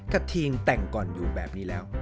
กระทิงแต่งก่อนอยู่แบบนี้แล้ว